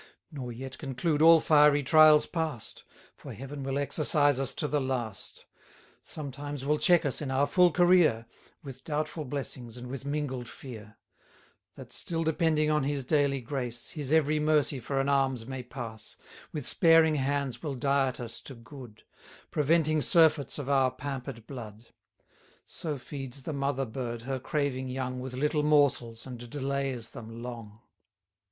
Nor yet conclude all fiery trials past: For Heaven will exercise us to the last; Sometimes will check us in our full career, 270 With doubtful blessings, and with mingled fear; That, still depending on his daily grace, His every mercy for an alms may pass, With sparing hands will diet us to good; Preventing surfeits of our pamper'd blood. So feeds the mother bird her craving young With little morsels, and delays them long.